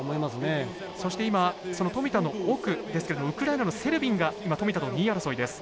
そして今その富田の奥ですけれどウクライナのセルビンが今富田と２位争いです。